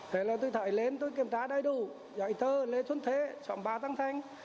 thế là tôi thảy lên tôi kiểm tra đầy đủ dạy tờ lê xuân thế trọng bà tăng thanh